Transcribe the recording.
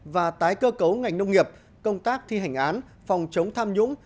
và tái cơ cấu ngành nông nghiệp công tác thi hành án phòng chống tham nhũng